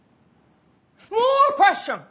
モアパッション！